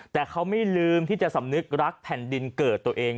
แต่เขาไม่ลืมที่จะสำนึกรักแผ่นดินเกิดตัวเอง